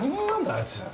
あいつ。